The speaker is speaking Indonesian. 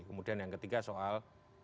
kemudian yang ketiga soal